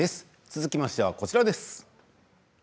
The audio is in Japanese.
続きましては、こちらです。